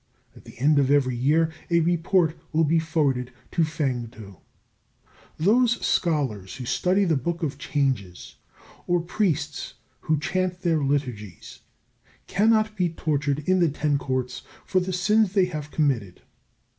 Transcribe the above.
At the end of every year a report will be forwarded to Fêng tu. Those scholars who study the Book of Changes, or priests who chant their liturgies, cannot be tortured in the Ten Courts for the sins they have committed.